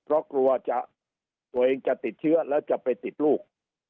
เพราะกลัวจะตัวเองจะติดเชื้อแล้วจะไปติดลูก